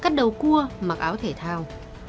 các đầu cua mặc áo thể thao